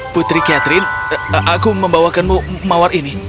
putri catherine aku membawakanmu mawar ini